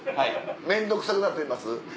面倒くさくなってます？